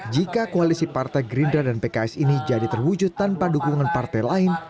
jika koalisi partai gerindra dan pks ini jadi terwujud tanpa dukungan partai lain